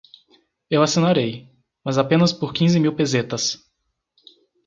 Eu assinarei, mas apenas por quinze mil pesetas.